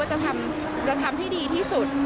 จะทำให้ดีที่สุด